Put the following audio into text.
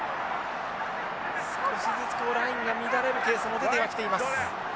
少しずつラインが乱れるケースも出てはきています。